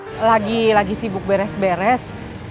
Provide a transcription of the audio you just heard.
sekarang sih ibu lagi sibuk beres beres